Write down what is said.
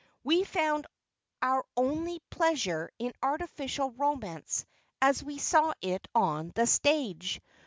We found our only pleasure in artificial romance as we saw it on the stage.